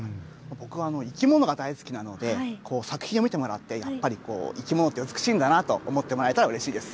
僕は生き物が大好きなので作品を見てもらって生き物って美しいんだなと思ってもらえたらうれしいです。